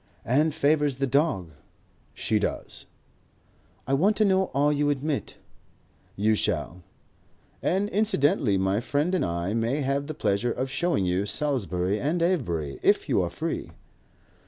"And favours the dog." "She does." "I want to know all you admit." "You shall. And incidentally my friend and I may have the pleasure of showing you Salisbury and Avebury. If you are free?"